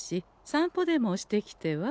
散歩でもしてきては？